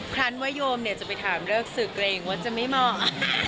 ครั้งว่าโยมจะไปถามเลิกศึกเกรงว่าจะไม่เหมาะ